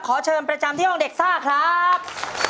ขอเชิญประจำที่ห้องเด็กซ่าครับ